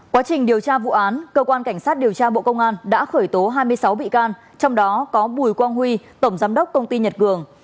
quá trình điều tra vụ án cơ quan cảnh sát điều tra bộ công an đã khởi tố hai mươi sáu bị can trong đó có bùi quang huy tổng giám đốc công ty nhật cường